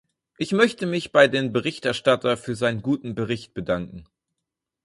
Ich möchte mich bei dem Berichterstatter für seinen guten Bericht bedanken.